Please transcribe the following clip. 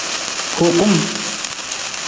Hokung.